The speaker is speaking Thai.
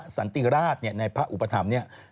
สันติราชในพระอุปถัมภ์เนี่ย